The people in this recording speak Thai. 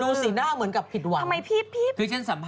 สีหน้าเหมือนกับผิดหวัง